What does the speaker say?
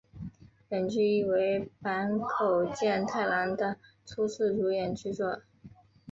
本剧亦为坂口健太郎的初次主演剧作。